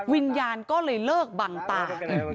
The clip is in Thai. วิญญาณก็เลยเลิกบังตา